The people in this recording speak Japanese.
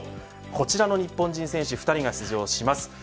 こちらの日本人選手２人が出場します。